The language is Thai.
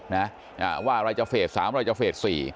นะว่าอะไรจะเฟส๓อะไรจะเฟส๔